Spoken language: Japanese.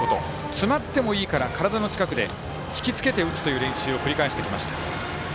詰まってもいいから、体の近くで引きつけて打つという練習を繰り返してきました。